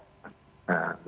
menurut saya itu